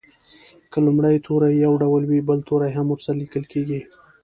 که لومړی توری یو ډول وي بل توری هم ورسره لیکل کیږي.